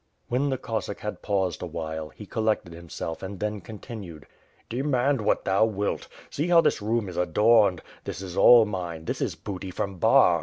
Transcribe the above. When the Cossack had paused awhile, he collected himself and then continued: *T3emand what thou wilt! See how this room is adorned! This is all mine, this is booty from Bar.